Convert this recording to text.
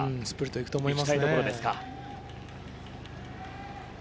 いくと思いますね。